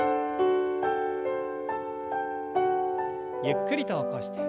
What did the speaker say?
ゆっくりと起こして。